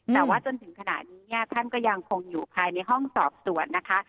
แต่ว่าจนถึงขณะนี้ท่านยังคงอยู่ใครในห้องสอบตรวจนะคะ